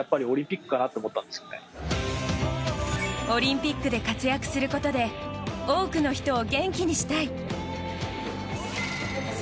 オリンピックで活躍することで多くの人を元気にしたい。